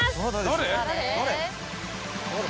誰？